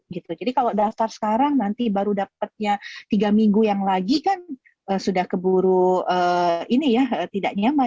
jadi kalau daftar sekarang nanti baru dapatnya tiga minggu yang lagi kan sudah keburu ini ya tidak nyaman